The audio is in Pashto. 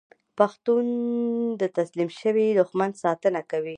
پښتون د تسلیم شوي دښمن ساتنه کوي.